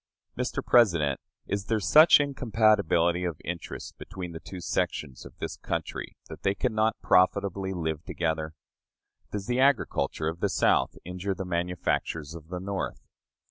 Mr. President, is there such incompatibility of interest between the two sections of this country that they can not profitably live together? Does the agriculture of the South injure the manufactures of the North?